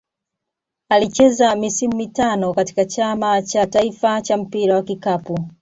Alicheza misimu mitano katika Chama cha taifa cha mpira wa kikapu.